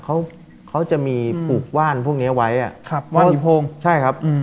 เขาเขาจะมีปลูกว่านพวกเนี้ยไว้อ่ะครับว่านมีโพงใช่ครับอืม